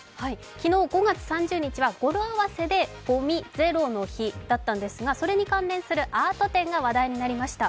昨日５月３０日は語呂合わせでゴミゼロの日だったんですがそれに関連するアート展が話題になりました。